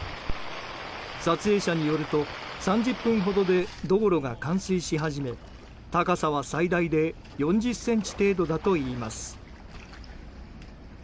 撮影者によると３０分ほどで道路が冠水し始め高さは最大で４０ｃｍ程度だといいます。